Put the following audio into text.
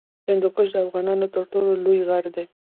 هندوکش د افغانستان تر ټولو لوی غر دی